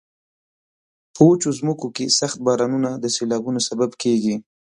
په وچو ځمکو کې سخت بارانونه د سیلابونو سبب کیږي.